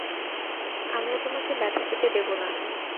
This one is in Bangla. আমরা তোমাকে ব্যথা পেতে দেব না।